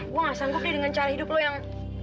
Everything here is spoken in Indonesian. gue gak sanggup nih dengan cara hidup lo yang